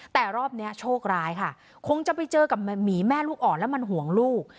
แต่รอบนี้โชคร้ายค่ะคงจะไปเจอกับหมีแม่ลูกอ่อนแล้วมันห่วงลูก